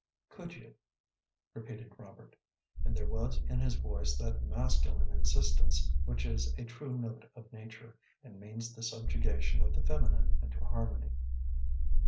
"Could you?" repeated Robert, and there was in his voice that masculine insistence which is a true note of nature, and means the subjugation of the feminine into harmony.